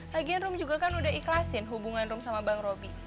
lagian rum juga kan udah ikhlasin hubungan rum sama bang robi